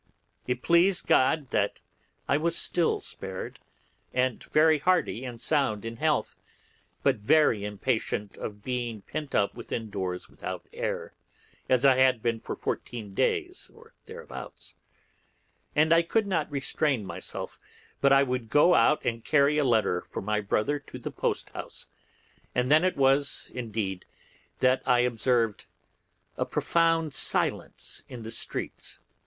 It pleased God that I was still spared, and very hearty and sound in health, but very impatient of being pent up within doors without air, as I had been for fourteen days or thereabouts; and I could not restrain myself, but I would go to carry a letter for my brother to the post house. Then it was indeed that I observed a profound silence in the streets.